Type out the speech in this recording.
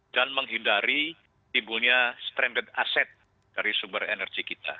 dan menghindari timbulnya stranded asset dari sumber energi kita